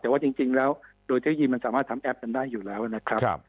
แต่ว่าจริงแล้วโดยเทคโนโลยีมันสามารถทำแอปกันได้อยู่แล้วนะครับ